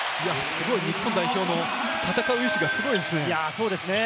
日本代表の戦う意思がすごいですね。